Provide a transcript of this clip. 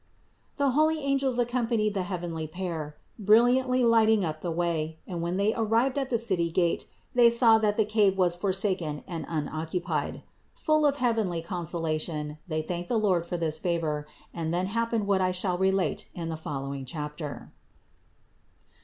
The holy angels accompanied the heavenly pair, brilliantly lighting up the way, and when they arrived at the city gate they saw that the cave was forsaken and unoccupied. Full of heavenly consolation, they thanked the Lord for this favor, and then happened what I shall relate in the following chapter.